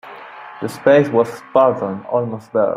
The space was spartan, almost bare.